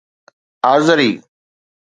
آذري